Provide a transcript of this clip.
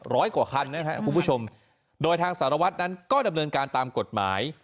ร้อยกว่าคันนะครับคุณผู้ชมโดยทางสารวัตรนั้นก็ดำเนินการตามกฎหมาย